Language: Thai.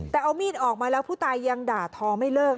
แต่เอามีดออกมาแล้วผู้ตายยังด่าทอไม่เลิก